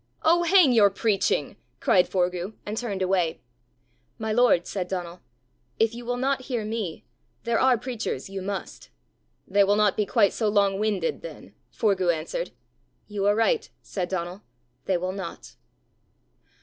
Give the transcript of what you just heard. "Oh, hang your preaching!" cried Forgue, and turned away. "My lord," said Donal, "if you will not hear me, there are preachers you must." "They will not be quite so long winded then!" Forgue answered. "You are right," said Donal; "they will not."